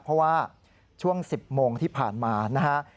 เพราะว่าช่วง๑๐โมงที่ผ่านมานะฮะ